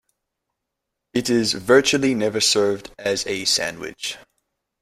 It is virtually never served as a sandwich.